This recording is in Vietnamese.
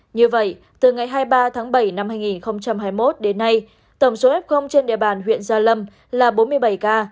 như vậy từ ngày hai mươi ba tháng bảy năm hai nghìn hai mươi một đến nay tổng số f trên địa bàn huyện gia lâm là bốn mươi bảy ca